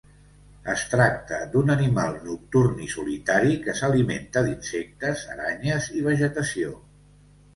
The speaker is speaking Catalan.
Es tracta d'un animal nocturn i solitari que s'alimenta d'insectes, aranyes i vegetació.